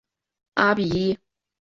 阿比伊。